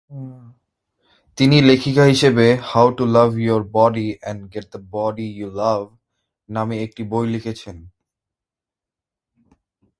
তিনি লেখিকা হিসেবে "how to love your body and get the body you love" নামে একটি বই লিখেছেন।